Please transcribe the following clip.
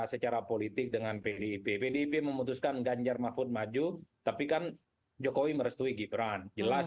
secara politik dengan pdip pdip memutuskan ganjar mahfud maju tapi kan jokowi merestui gibran jelas